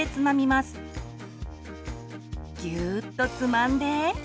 ギューッとつまんで。